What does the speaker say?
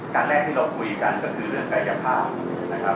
การแรกที่เราคุยกันก็คือเรื่องกายภาพนะครับ